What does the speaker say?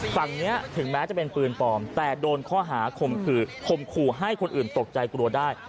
ฝั่งนี้ถึงแม้จะเป็นปืนปลอมแต่โดนข้อหาคมคือข่มขู่ให้คนอื่นตกใจกลัวได้